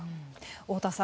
太田さん